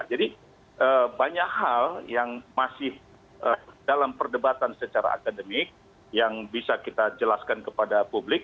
jadi banyak hal yang masih dalam perdebatan secara akademik yang bisa kita jelaskan kepada publik